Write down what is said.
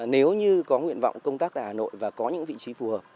nếu như có nguyện vọng công tác tại hà nội và có những vị trí phù hợp